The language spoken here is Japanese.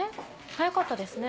早かったですね。